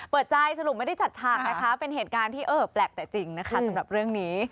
เปิดใจสรุปไม่ได้จัดฉากนะคะเป็นเหตุการณ์ที่เออแปลกแต่จริงนะคะสำหรับเรื่องนี้